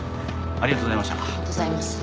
ありがとうございます。